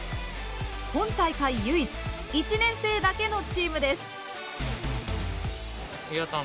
今大会唯一１年生だけのチームです。